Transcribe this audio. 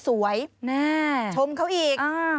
แน่ชมเขาอีก